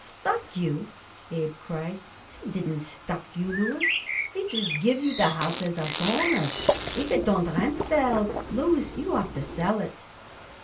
"Stuck you!" Abe cried. "We didn't stuck you, Louis. We just give you the house as a bonus. If it don't rent well, Louis, you ought to sell it."